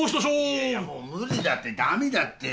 いやいやもう無理だって駄目だって。